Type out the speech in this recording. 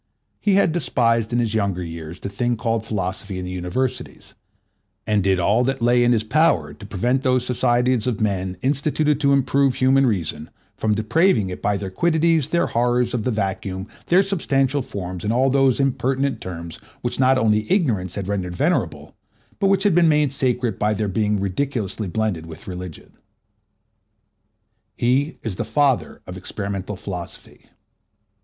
He had despised in his younger years the thing called philosophy in the Universities, and did all that lay in his power to prevent those societies of men instituted to improve human reason from depraving it by their quiddities, their horrors of the vacuum, their substantial forms, and all those impertinent terms which not only ignorance had rendered venerable, but which had been made sacred by their being rediculously blended with religion. He is the father of experimental philosophy.